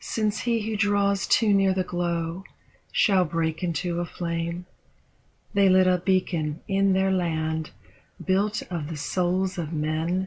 Since he who draws too near the glow shall break into a flame? They lit a beacon in their land, built of the souls of men.